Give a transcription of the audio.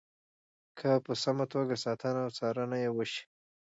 که په سمه توګه ساتنه او څارنه یې وشي.